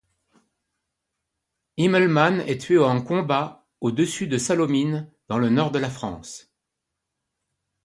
Immelmann est tué en combat au-dessus de Sallaumines dans le nord de la France.